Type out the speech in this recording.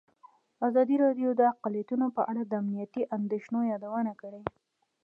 ازادي راډیو د اقلیتونه په اړه د امنیتي اندېښنو یادونه کړې.